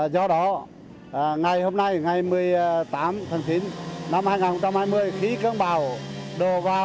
do đó ngày hôm nay ngày một mươi tám tháng chín năm hai nghìn hai mươi